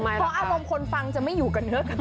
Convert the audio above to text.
เพราะอารมณ์คนฟังจะไม่อยู่กับเนื้อกับตัว